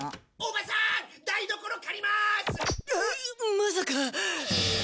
まさか。